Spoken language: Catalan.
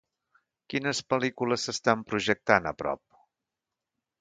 Quines pel·lícules s'estan projectant a prop